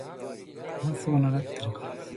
Yashtev Nemenjde